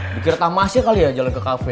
dikira tamasnya kali ya jalan ke kafe